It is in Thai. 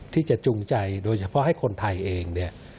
ที่จะจุงใจโดยเฉพาะให้คนไทยเอง